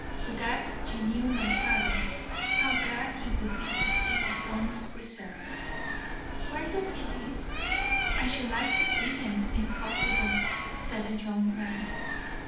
Would that you knew my father! How glad he would be to see his son's preserver!" "Where does he live? I should like to see him, if possible," said the young man.